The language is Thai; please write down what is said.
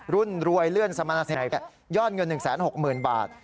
รุ่นรวยเลื่อนสมรรณาศิลปะย่อนเงิน๑๖๐๐๐๐บาท